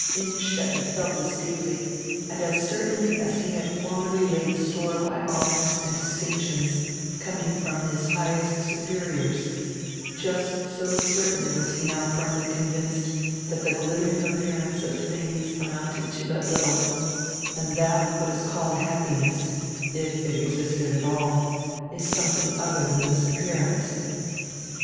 Innstetten felt this deeply, and as certainly as he had formerly laid store by honors and distinctions coming from his highest superiors, just so certainly was he now firmly convinced diat die glittering appearance of tilings amounted to but little, and that what is called happiness, if it existed at all, is some diing odier dian this appearance.